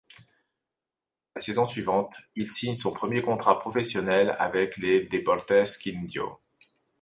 La saison suivante, il signe son premier contrat professionnel avec le Deportes Quindío.